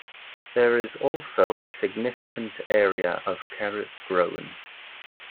There is also a significant area of carrots grown.